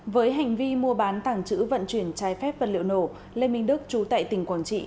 với hành vi mua bán tảng chữ vận chuyển trái phép vật liệu nổ lê minh đức chú tại tỉnh quảng trị